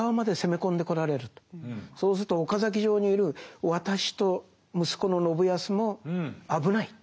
そうすると岡崎城にいる私と息子の信康も危ない。